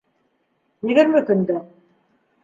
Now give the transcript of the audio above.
Егерме көндән.